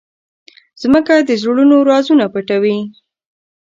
مځکه د زړونو رازونه پټوي.